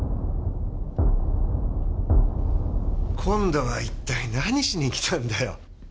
今度は一体何しに来たんだよ？